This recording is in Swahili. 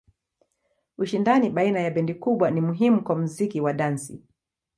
Ushindani baina ya bendi kubwa ni muhimu kwa muziki wa dansi.